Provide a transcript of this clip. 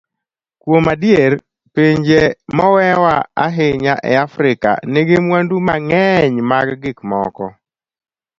Kuom adier, pinje momewo ahinya e Afrika nigi mwandu mang'eny mag gik moko.